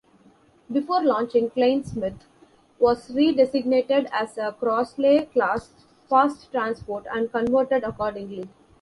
Before launching, "Kleinsmith" was redesignated as a "Crosley" class fast transport and converted accordingly.